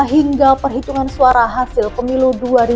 hingga perhitungan suara hasil pemilu dua ribu dua puluh